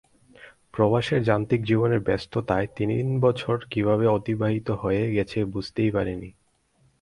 প্রবাসের যান্ত্রিক জীবনের ব্যস্ততায় তিন বছর কীভাবে অতিবাহিত হয়ে গেছে বুঝতেই পারিনি।